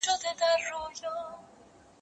زه اوږده وخت ږغ اورم وم؟!